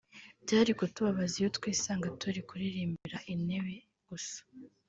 Byari kutubabaza iyo twisanga turi kuririmbira intebe gusa